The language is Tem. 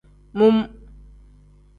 Mum.